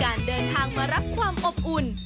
คือการเดินทางมารับความอบอุ่น